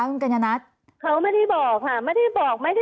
คุณกัญญาณัทเขาไม่ได้บอกไม่ได้บอก